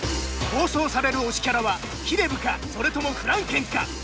放送される推しキャラはヒデブかそれともフランケンか。